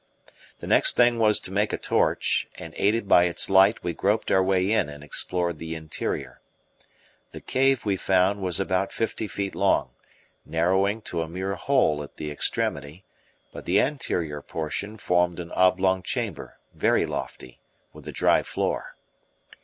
The next thing was to make a torch, and aided by its light we groped our way in and explored the interior. The cave, we found, was about fifty feet long, narrowing to a mere hole at the extremity; but the anterior portion formed an oblong chamber, very lofty, with a dry floor.